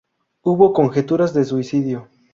Hubo conjeturas de suicidio.